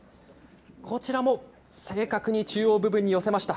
こちらも正確に中央部分に寄せました。